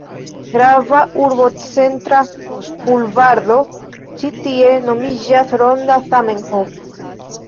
Grava urbocentra bulvardo ĉi tie nomiĝas Ronda Zamenhof.